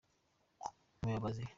umuyobozi.